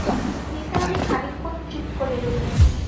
নিসার আলি খানিকক্ষণ চুপ করে রইলেন।